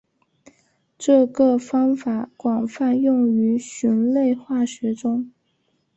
这个方法广泛用于甾类化学中。